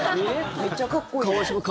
めっちゃかっこいいやん。